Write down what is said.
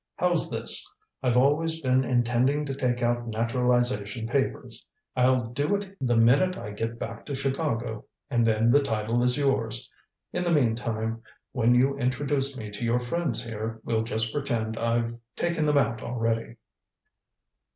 How's this? I've always been intending to take out naturalization papers. I'll do it the minute I get back to Chicago and then the title is yours. In the meantime, when you introduce me to your friends here, we'll just pretend I've taken them out already."